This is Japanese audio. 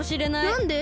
なんで？